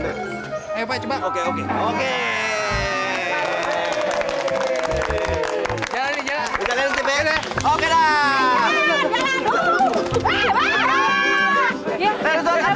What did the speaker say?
tidak tidak tidak